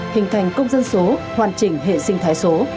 hình thành công dân số hoàn chỉnh hệ sinh thái số